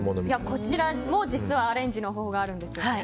こちらも実はアレンジの方法があるんですよね。